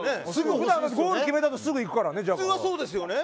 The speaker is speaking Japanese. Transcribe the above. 普段ゴール決めたらすぐいくからね。